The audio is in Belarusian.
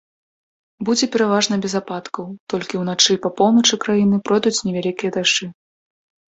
Будзе пераважна без ападкаў, толькі ўначы па поўначы краіны пройдуць невялікія дажджы.